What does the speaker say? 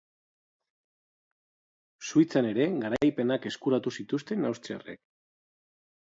Suitzan ere garaipenak eskuratu zituzten austriarrek.